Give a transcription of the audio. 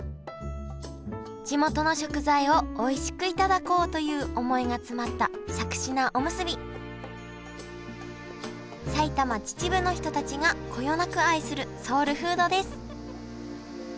地元の食材をおいしくいただこうという思いが詰まったしゃくし菜おむすび埼玉・秩父の人たちがこよなく愛するソウルフードです